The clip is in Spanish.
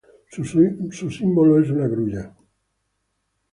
Su símbolo es una grulla.